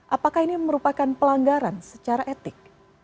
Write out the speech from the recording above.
apakah ini merupakan pelanggaran secara etik